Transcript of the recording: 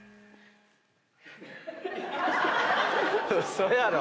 嘘やろ？